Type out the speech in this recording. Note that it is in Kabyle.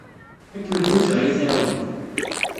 Ad kem-ḥwijeɣ ad iyi-tɛawneḍ.